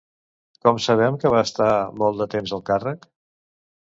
Com sabem que va estar molt de temps al càrrec?